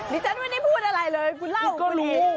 นี่ฉันไม่ได้พูดอะไรเลยคุณเล่าคุณดีนะครับกูรู้